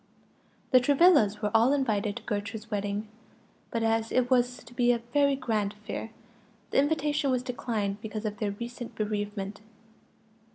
The Travillas were all invited to Gertrude's wedding; but as it was to be a very grand affair, the invitation was declined because of their recent bereavement.